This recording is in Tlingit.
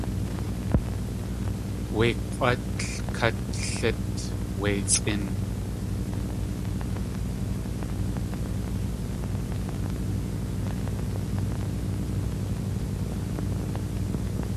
Wé k̲ʼwátl kát lít wé sʼín!